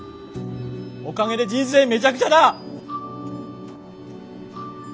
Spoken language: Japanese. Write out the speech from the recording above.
おかげで人生めちゃくちゃだ！